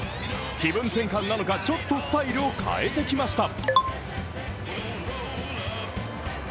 気分転換なのか、ちょっとスタイルを変えてきました。